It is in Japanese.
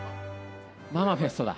ママフェストだ。